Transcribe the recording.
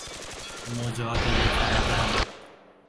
مجادله کردن